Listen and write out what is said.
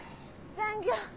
残業。